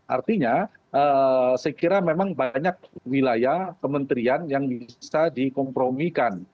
artinya saya kira memang banyak wilayah kementerian yang bisa dikompromikan